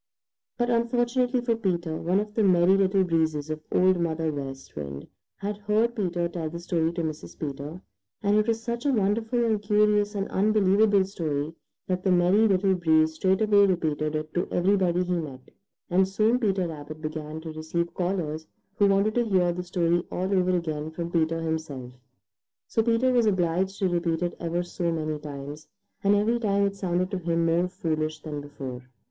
But unfortunately for Peter, one of the Merry Little Breezes of Old Mother West Wind had heard Peter tell the story to Mrs. Peter, and it was such a wonderful and curious and unbelievable story that the Merry Little Breeze straightway repeated it to everybody he met, and soon Peter Rabbit began to receive callers who wanted to hear the story all over again from Peter himself. So Peter was obliged to repeat it ever so many times, and every time it sounded to him more foolish than before.